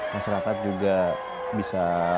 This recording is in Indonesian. masyarakat juga bisa